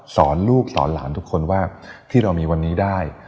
สอนลูกสอนหลานทุกคนว่าที่เรามีวันนี้ได้